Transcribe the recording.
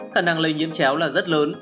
khả năng lây nhiễm chéo là rất lớn